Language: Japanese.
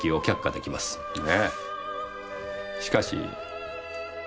しかし。